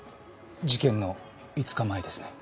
事件の５日前ですね。